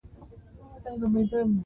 افغانستان کې مس د خلکو د خوښې وړ ځای دی.